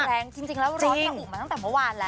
แรงจริงแล้วรถเนี่ยอุมาตั้งแต่เมื่อวานแล้ว